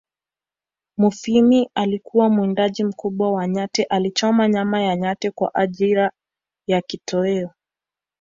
Mufwimi alikuwa mwindaji mkubwa wa nyati alichoma nyama ya nyati kwa ajiri ya kitoeo